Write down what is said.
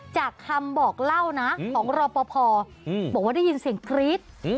จากคำบอกเล่านะของรอปภบอกว่าได้ยินเสียงกรี๊ด